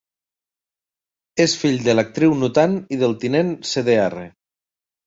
És fill de l'actriu Nutan i del tinent Cdr.